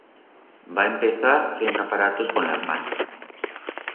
Va empezar fend aparatos con las mans.